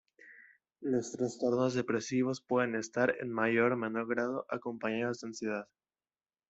Los trastornos depresivos pueden estar, en mayor o menor grado, acompañados de ansiedad.